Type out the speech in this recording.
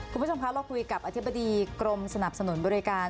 คุณผู้ชมคะเราคุยกับอธิบดีกรมสนับสนุนบริการ